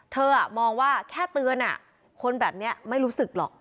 มองว่าแค่เตือนคนแบบนี้ไม่รู้สึกหรอก